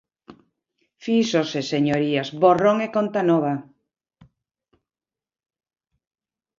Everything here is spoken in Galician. Fíxose, señorías, borrón e conta nova.